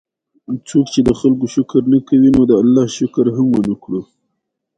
څوک چې د خلکو شکر نه کوي، نو ده د الله شکر هم ونکړو